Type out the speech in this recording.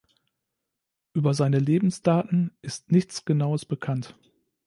Über seine Lebensdaten ist nichts Genaues bekannt.